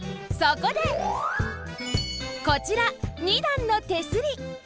そこでこちら二段の手すり！